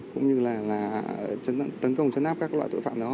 cũng như là tấn công chấn áp các loại tội phạm đó